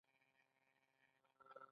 په داسې حال کې چې د کارګرې طبقې حق زیات دی